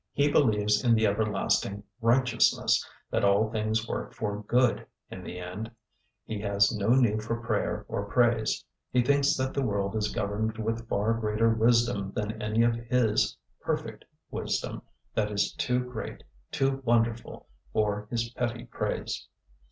He believes in the everlasting righteousness, that all things work for good in the end; he has no need for prayer or praise; he thinks that the world is governed with far greater wisdom than any of his perfect wisdom, that is too great, too wonderful, for his petty praise.